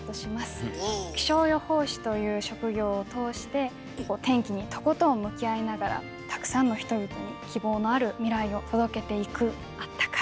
気象予報士という職業を通して天気にとことん向き合いながらたくさんの人々に希望のある未来を届けていくあったかい